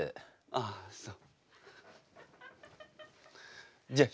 ああそう。